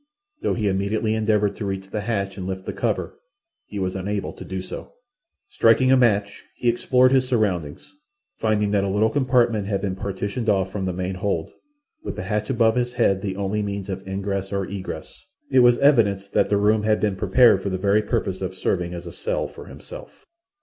Though he immediately endeavoured to reach the hatch and lift the cover, he was unable to do so. Striking a match, he explored his surroundings, finding that a little compartment had been partitioned off from the main hold, with the hatch above his head the only means of ingress or egress. It was evident that the room had been prepared for the very purpose of serving as a cell for himself.